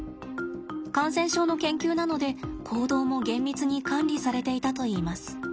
感染症の研究なので行動も厳密に管理されていたといいます。